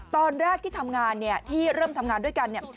ตอนแรกที่ทำงานเนี่ยที่เริ่มทำงานด้วยกันเนี่ย